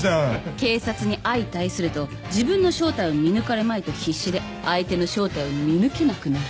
警察に相対すると自分の正体を見抜かれまいと必死で相手の正体を見抜けなくなる。